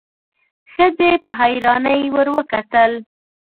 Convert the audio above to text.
ښځې په حيرانۍ ورته کتل: